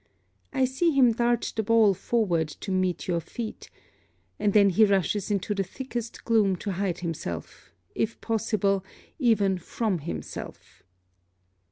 I see him dart the ball forward to meet your feet; and then he rushes into the thickest gloom to hide himself, if possible, even from himself.